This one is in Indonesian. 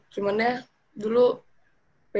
cuman ya dulu pj